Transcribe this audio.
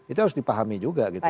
itu harus dipahami juga gitu